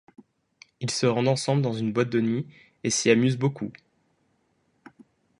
Ils se rendent ensemble dans une boîte de nuit et s'y amusent beaucoup.